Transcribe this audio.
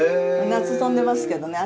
夏飛んでますけどね